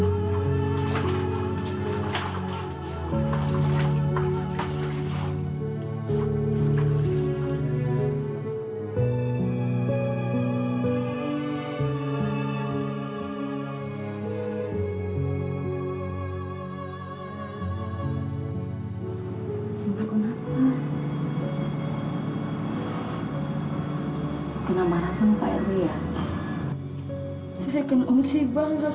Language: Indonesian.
usibah apa sih mbak